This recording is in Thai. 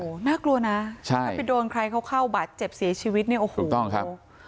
โหน่ากลัวนะถ้าไปโดนใครเขาเข้าบัตรเจ็บเสียชีวิตเนี่ยโอ้โห